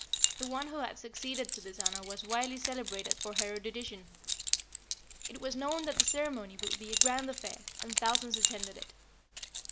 The one who had succeeded to this honor was widely celebrated for her erudition. It was known that the ceremony would be a grand affair, and thousands attended it.